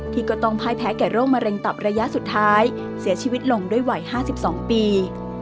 ก็ต้องพ่ายแพ้แก่โรคมะเร็งตับระยะสุดท้ายเสียชีวิตลงด้วยวัย๕๒ปี